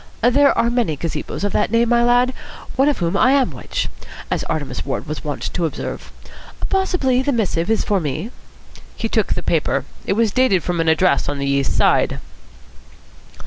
"There are many gazebos of that name, my lad. One of whom I am which, as Artemus Ward was wont to observe. Possibly the missive is for me." He took the paper. It was dated from an address on the East Side.